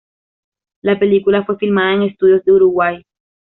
La película fue filmada en estudios de Uruguay.